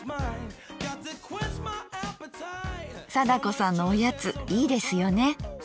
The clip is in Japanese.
貞子さんのおやついいですよね。